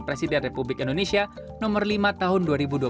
presiden republik indonesia nomor lima tahun dua ribu dua puluh